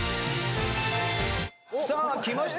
さあきました。